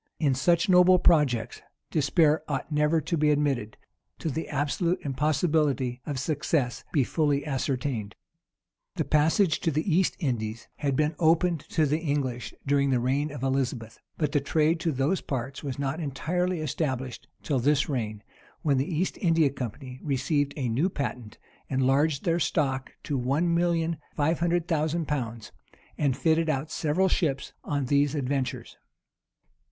In such noble projects, despair ought never to be admitted, till the absolute impossibility of success be fully ascertained. The passage to the East Indies had been opened to the English during the reign of Elizabeth; but the trade to those parts was not entirely established till this reign, when the East India company received a new patent, enlarged their stock to one million five hundred thousand pounds,[*] and fitted out several ships on these adventures.